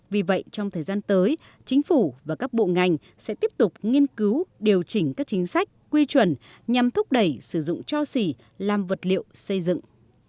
vì vậy trong thời gian tới chính phủ và các bộ ngành sẽ tiếp tục nghiên cứu điều chỉnh các chính sách quy chuẩn nhằm thúc đẩy sử dụng cho xỉ làm vật liệu xây dựng